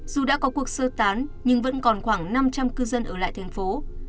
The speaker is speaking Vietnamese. dù đã có cuộc sơ tán nhưng vẫn còn khoảng năm trăm linh cư dân ở lại thành phố